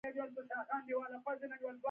نیکه د وخت ارزښت بیانوي.